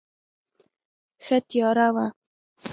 ښه تیاره وه.